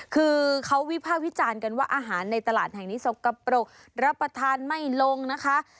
คือเขาวิภาควิจารณ์กันว่าอาหารในตลาดแห่งนี้สกปรกรับประทานไม่ลงนะคะ